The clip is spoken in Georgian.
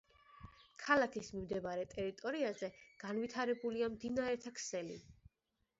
ქალაქის მიმდებარე ტერიტორიაზე განვითარებულია მდინარეთა ქსელი.